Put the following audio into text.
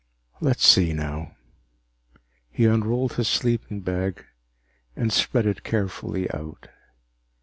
Let's see now He unrolled his sleeping bag and spread it carefully out.